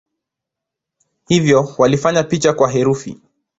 Hivyo walifanya picha kuwa herufi.